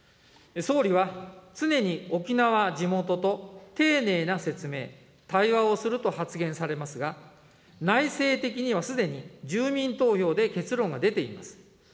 総理は、常に沖縄地元と丁寧な説明、対話をすると発言されますが、内政的にはすでに住民投票で結論が出ています。